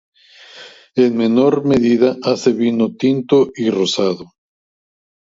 En menor medida, hace vino tinto y rosado.